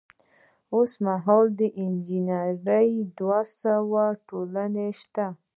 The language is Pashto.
اوس مهال د انجنیری دوه سوه ټولنې شته.